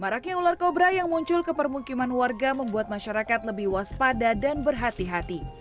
maraknya ular kobra yang muncul ke permukiman warga membuat masyarakat lebih waspada dan berhati hati